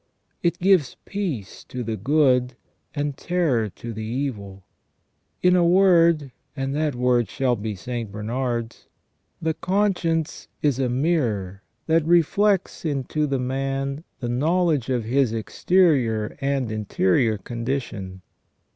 It gives peace to the good, and terror to the evil. In a word, and that word shall be St. Bernard's :" The con science is a mirror that reflects into the man the knowledge of his exterior and interior condition.